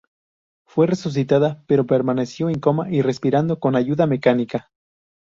Fue resucitada, pero permaneció en coma y respirando con ayuda mecánica.